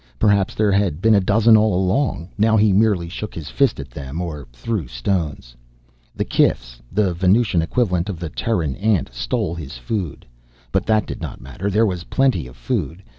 Perhaps there had been a dozen all along. Now he merely shook his fist at them or threw stones. The kifs, the Venusian equivalent of the Terran ant, stole his food. But that did not matter; there was plenty of food.